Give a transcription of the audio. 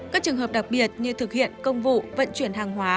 các trường hợp đặc biệt như thực hiện công vụ vận chuyển hàng hóa